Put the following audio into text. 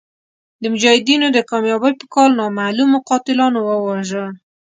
د مجاهدینو د کامیابۍ په کال نامعلومو قاتلانو وواژه.